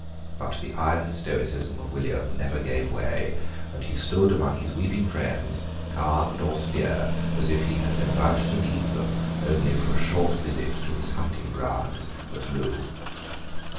But the iron stoicism of William never gave way; and he stood among his weeping friends calm and austere as if he had been about to leave them only for a short visit to his hunting grounds at Loo.